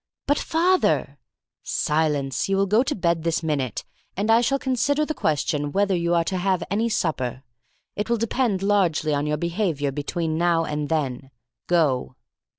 "But, father " "Silence! You will go to bed this minute; and I shall consider the question whether you are to have any supper. It will depend largely on your behaviour between now and then. Go!"